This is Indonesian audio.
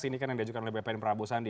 ini kan yang diajukan oleh bpn prabowo sandi